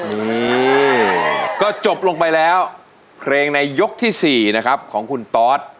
เฮ้ยยยยยก็จบแล้วเรียงในยกที่๔ของคุณตอ๊ต